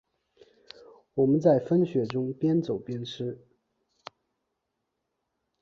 我们在风雪中边走边吃